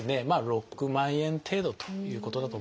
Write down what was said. ６万円程度ということだと思います。